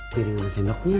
piring sama sendoknya